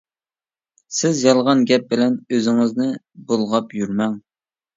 سىز يالغان گەپ بىلەن ئۆزىڭىزنى بۇلغاپ يۈرمەڭ.